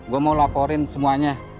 gua mau laporin semuanya